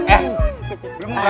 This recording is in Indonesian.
eh belum berhasil